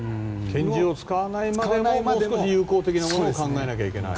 拳銃を使わないまでももう少し有効なものを考えなきゃいけないと。